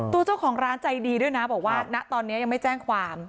ตัวเจ้าของร้านใจดีด้วยนะบอกว่าณตอนนี้ยังไม่แจ้งความ